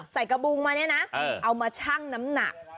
กระบุงมาเนี่ยนะเอามาชั่งน้ำหนัก